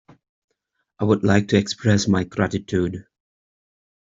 I would like to express my gratitude.